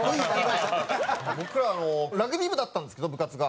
僕らラグビー部だったんですけど部活が。